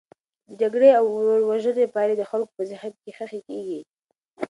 د جګړې او ورور وژنې پایلې د خلکو په ذهن کې خښي کیږي.